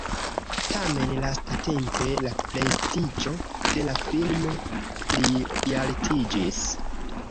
Tamen lastatempe la prestiĝo de la filmo plialtiĝis.